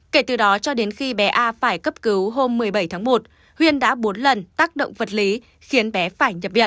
kể từ đó cho đến khi bé a phải cấp cứu hôm một mươi bảy tháng một huyên đã bốn lần tác động vật lý khiến bé phải nhập viện